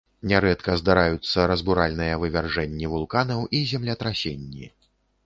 Нярэдка здараюцца разбуральныя вывяржэнні вулканаў і землетрасенні.